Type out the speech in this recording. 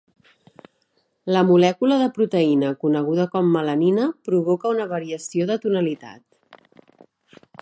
La molècula de proteïna coneguda com melanina provoca una variació de tonalitat.